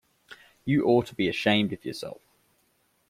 You ought to be ashamed of yourself.